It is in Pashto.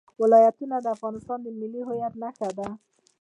ولایتونه د افغانستان د ملي هویت نښه ده.